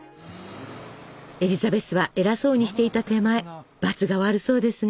エリザベスは偉そうにしていた手前ばつが悪そうですが。